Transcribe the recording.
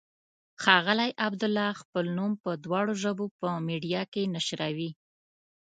ښاغلی عبدالله خپل نوم په دواړو ژبو په میډیا کې نشروي.